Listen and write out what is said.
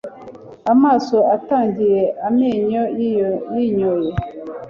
amaso atangiye, amenyo yinyoye